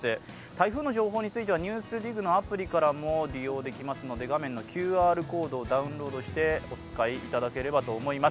台風の動きについては「ＮＥＷＳＤＩＧ」のアプリからも利用できますので、画面のＱＲコードをダウンロードしてお使いいただければと思います。